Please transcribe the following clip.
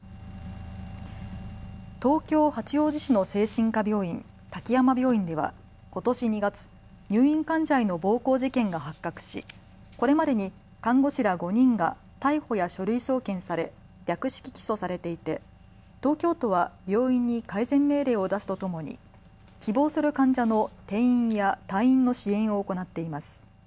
東京八王子市の精神科病院、滝山病院ではことし２月、入院患者への暴行事件が発覚しこれまでに看護師ら５人が逮捕や書類送検され略式起訴されていて東京都は病院に改善命令を出すとともに希望する患者の転院や退院の支援を行っています。